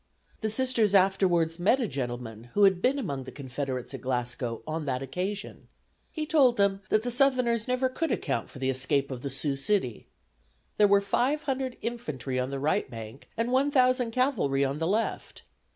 The Sisters afterwards met a gentleman who had been among the Confederates at Glasgow on that occasion. He told them that the Southerners never could account for the escape of the "Sioux City." There were five hundred infantry on the right bank and one thousand cavalry on the left.